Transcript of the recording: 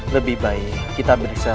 lebih baik kita berisah